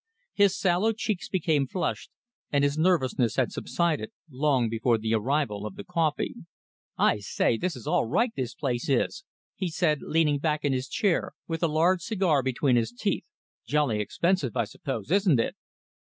His sallow cheeks became flushed and his nervousness had subsided, long before the arrival of the coffee. "I say, this is all right, this place is," he said, leaning back in his chair with a large cigar between his teeth. "Jolly expensive, I suppose, isn't it?"